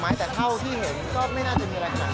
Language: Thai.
ไม่น่าจะมีอะไรขนาดนั้น